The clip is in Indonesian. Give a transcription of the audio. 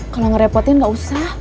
kalau ngerepotin nggak usah